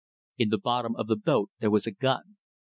In the bottom of the boat there was a gun.